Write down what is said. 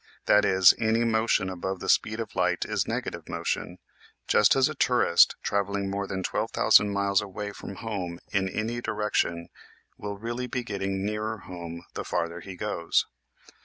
That is, any motion above the speed of light is negative motion. Just as a tourist traveling more than 12,000 miles away from 24 EASY LESSONS IN EINSTEIN home in any direction will really be getting nearer home the farther he goes.